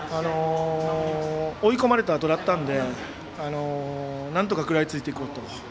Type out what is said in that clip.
追い込まれたあとだったんでなんとか食らいついていこうと。